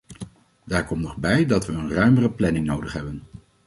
Daar komt nog bij dat we een ruimere planning nodig hebben.